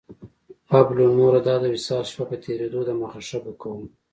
پابلو نوروداد وصال شپه په تېرېدو ده مخه شه به کوو